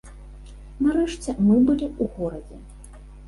Нарэшце мы былі ў горадзе.